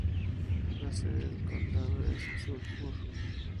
La sede del condado es Sulphur.